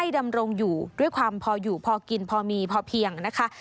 ด้วยความพออยู่พอกินพอมีพอเพียงนะคะ